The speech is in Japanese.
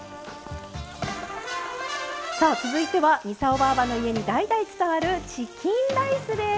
さあ続いては操ばぁばの家に代々伝わるチキンライスです。